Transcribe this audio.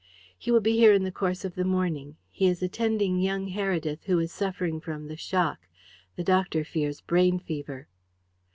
"He will be here in the course of the morning. He is attending young Heredith, who is suffering from the shock. The doctor fears brain fever."